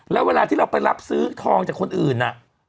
แล้วเวลาที่เราไปรับซื้อทองจากคนอื่น